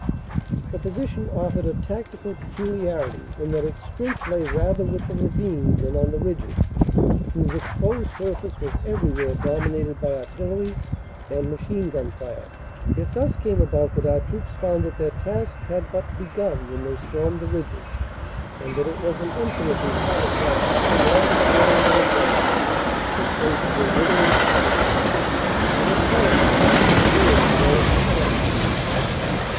The position offered a tactical peculiarity in that its strength lay rather with the ravines than on the ridges, whose exposed surface was everywhere dominated by artillery and machine gun fire. It thus came about that our troops found that their task had but begun when they stormed the ridges, and that it was an infinitely harder task to cling on to the ground they had won in face of a withering fire that at times caught them in rear as well as in flank.